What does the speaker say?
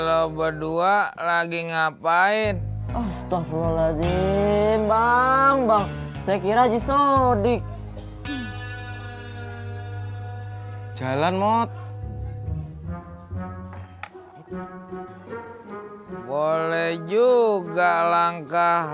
lo berdua lagi ngapain astaghfirullah zimbang bang saya kira jisodik jalan mod boleh juga langkah